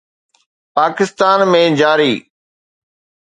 پاڪستان ۾ جاري